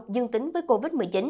dương tính với covid một mươi chín